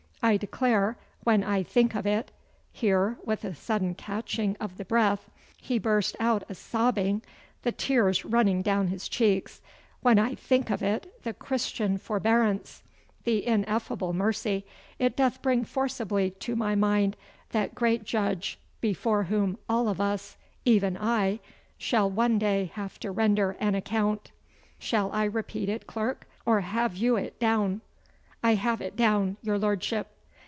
I declare, when I think of it' here, with a sudden catching of the breath, he burst out a sobbing, the tears running down his cheeks 'when I think of it, the Christian forbearance, the ineffable mercy, it doth bring forcibly to my mind that great Judge before whom all of us even I shall one day have to render an account. Shall I repeat it, clerk, or have you it down?' 'I have it down, your Lordship.